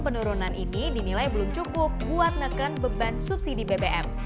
penurunan ini dinilai belum cukup buat neken beban subsidi bbm